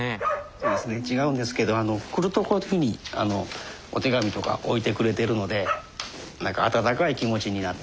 そうですね違うんですけど来るとこういうふうにお手紙とか置いてくれてるので何か温かい気持ちになってます。